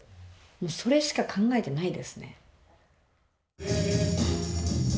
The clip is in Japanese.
それしか考えてないですね。